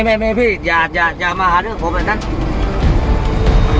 สวัสดีครับทุกคน